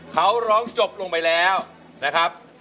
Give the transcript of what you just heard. เขาร้องจบลงไปแล้วนะครับ